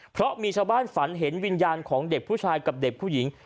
เพราะมีชาวบ้านฝันเห็นวิญญาณของเด็กผู้ชายกับเด็กผู้หญิง